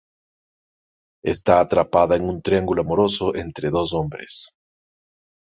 Esta atrapada en un triángulo amoroso entre dos hombres.